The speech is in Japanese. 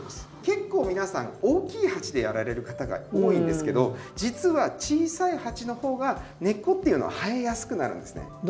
結構皆さん大きい鉢でやられる方が多いんですけど実は小さい鉢のほうが根っこっていうのは生えやすくなるんですね。